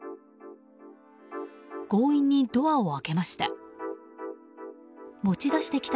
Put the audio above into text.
強引にドアを開けました。